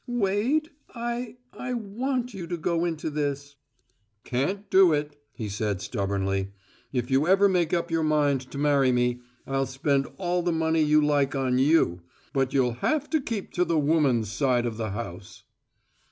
"Wade, I I want you to go into this." "Can't do it," he said stubbornly. "If you ever make up your mind to marry me, I'll spend all the money you like on you, but you'll have to keep to the woman's side of the house."